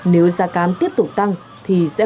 nếu giá cám tiếp tục tăng thì sẽ